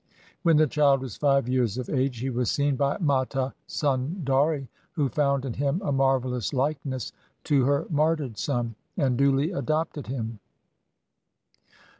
When the child was five years of age, he was seen by Mata Sundari, who found in him a marvellous likeness to her martyred son, and duly adopted him.